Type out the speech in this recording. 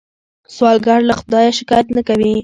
سوالګر له خدایه شکايت نه کوي